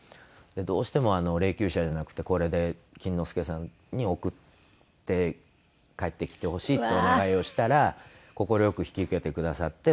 どうしても霊柩車じゃなくてこれで錦之介さんに送って帰ってきてほしいってお願いをしたら快く引き受けてくださって。